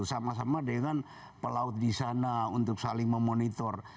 sama sama dengan pelaut di sana untuk saling memonitor